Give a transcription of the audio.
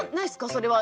それは。